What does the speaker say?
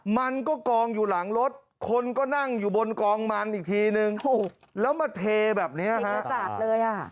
มันก็กองอยู่หลังรถคนก็นั่งอยู่บนกองมันอีกทีนึงแล้วมาเทแบบนี้ฮะจัดเลยอ่ะ